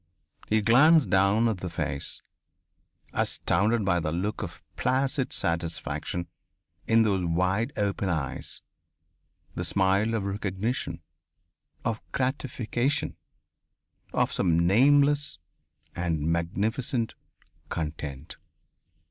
He glanced down at the face, astounded by the look of placid satisfaction in those wide open eyes, the smile of recognition, of gratification, of some nameless and magnificent content....